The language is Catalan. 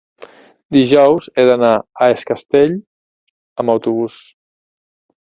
Dijous he d'anar a Es Castell amb autobús.